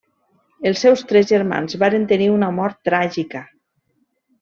Els seus tres germans varen tenir una mort tràgica.